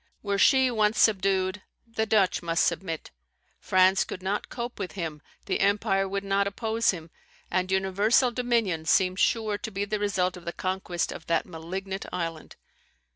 Were she once subdued, the Dutch must submit; France could not cope with him, the empire would not oppose him; and universal dominion seemed sure to be the result of the conquest of that malignant island.